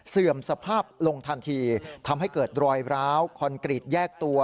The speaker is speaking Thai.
เสื่อมสภาพลงทันทีทำให้เกิดรอยร้าวคอนกรีตแยกตัว